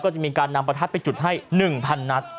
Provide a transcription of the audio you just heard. ก็จะมีการนำประทัดไปจุดให้๑๐๐นัด